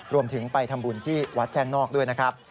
รวมถึงไปทำบุญที่วัดแจ้งนอกด้วยนะครับ